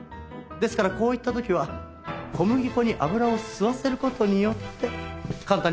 ですからこういった時は小麦粉に油を吸わせる事によって簡単に掃除する事ができます。